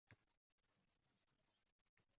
Tinglayapsanmi meni